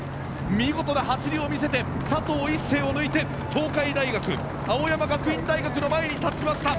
見事な走りを見せて佐藤一世を抜いて東海大学、青山学院大学の前に立ちました。